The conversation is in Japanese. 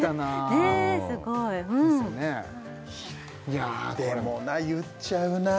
ねぇすごいですねいやでもな言っちゃうな